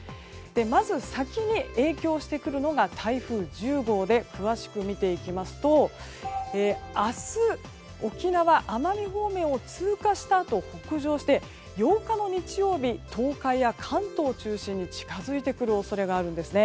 まず、先に影響してくるのが台風１０号で詳しく見ていきますと明日、沖縄、奄美方面を通過したあと、北上して８日の日曜日東海や関東中心に近づいてくる恐れがあるんです。